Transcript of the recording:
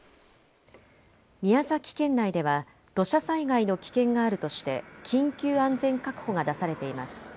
宮崎県内では土砂災害の危険があるとして緊急安全確保が出されています。